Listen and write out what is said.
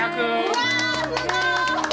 うわすごい！